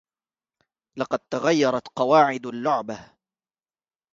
لقد تغيرت قواعد اللعبة.